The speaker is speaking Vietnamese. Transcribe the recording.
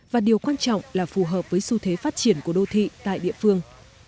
và điều quan trọng là phù hợp với xu thế phát triển của đô thị tại địa phương